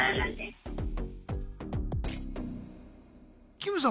キムさん